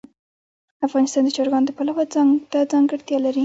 افغانستان د چرګان د پلوه ځانته ځانګړتیا لري.